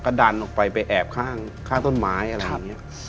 ก็ดันออกไปไปแอบข้างต้นไม้อะไรอย่างนี้